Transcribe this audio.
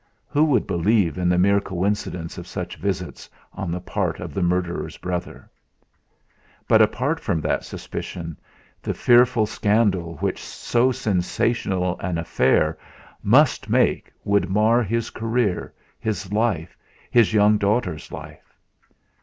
Who would believe in the mere coincidence of such visits on the part of the murderer's brother. But apart from that suspicion, the fearful scandal which so sensational an affair must make would mar his career, his life, his young daughter's life!